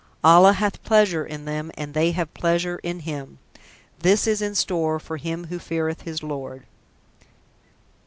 Allah hath pleasure in them and they have pleasure in Him. This is (in store) for him who feareth his Lord.